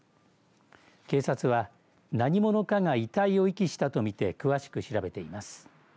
警察は何者かが遺体を遺棄したと見て詳しく調べています。